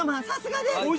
さすがです！